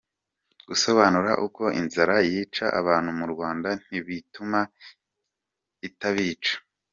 Gusobanura uko inzara yica abantu mu Rwanda ntibituma itabica.